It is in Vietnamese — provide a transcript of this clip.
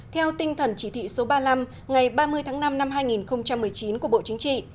theo tinh thần chỉ thị số ba mươi năm ngày ba mươi tháng năm năm hai nghìn một mươi chín của bộ chính trị